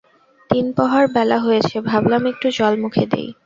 তিনপহার বেলা হয়েছে, ভাবলাম একটু জল মুখে দিই!